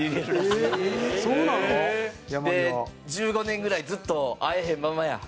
１５年ぐらいずっと会えへんままや。